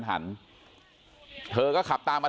สวัสดีครับทุกคน